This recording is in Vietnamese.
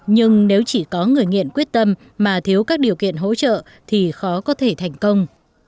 nhưng nếu chỉ có người nghiện quyết tâm mà thiếu các điều kiện hỗ trợ thì khó có thể thành công